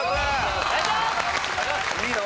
いいの？